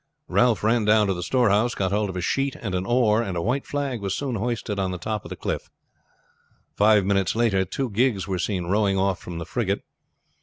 Ralph ran down to the storehouse, got hold of a sheet and an oar, and a white flag was soon hoisted on the top of the cliff. Five minutes later two gigs were seen rowing off from the frigate.